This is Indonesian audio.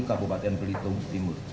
kabupaten belitung timur